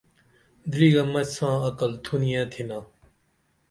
دریگہ مچ ساں عقل تھونیہ تِھنا